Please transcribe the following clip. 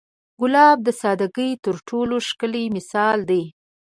ګلاب د سادګۍ تر ټولو ښکلی مثال دی.